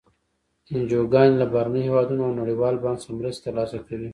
انجوګانې له بهرنیو هېوادونو او نړیوال بانک څخه مرستې تر لاسه کوي.